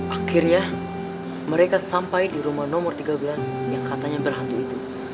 akhirnya mereka sampai di rumah nomor tiga belas yang katanya berhantu itu